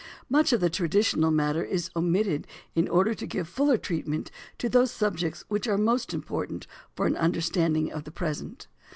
Much of the traditional matter is omitted in order to give fuller treatment to those subjects which are most important for an understanding of the present.